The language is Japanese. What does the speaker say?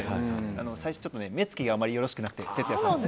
最初ちょっと目つきがあまりよろしくなくて。